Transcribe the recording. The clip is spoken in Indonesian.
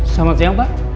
selamat siang pak